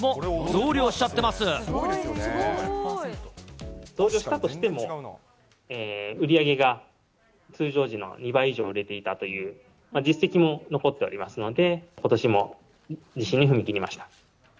増量したとしても、売り上げが通常時の２倍以上売れていたという実績も残っておりますので、ことしも実施に踏み切りました。